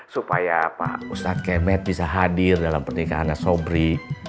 supaya pak ustadz kemet bisa hadir dalam pernikahannya sobri